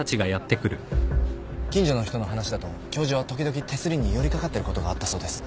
近所の人の話だと教授は時々手すりに寄り掛かってることがあったそうです。